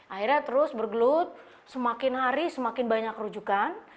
akhirnya terus bergelut semakin hari semakin banyak rujukan